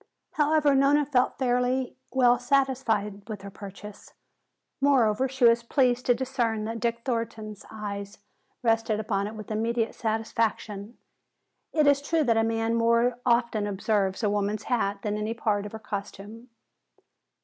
However, Nona felt fairly well satisfied with her purchase. Moreover, she was pleased to discern that Dick Thornton's eyes rested upon it with immediate satisfaction. It is true that a man more often observes a woman's hat than any part of her costume.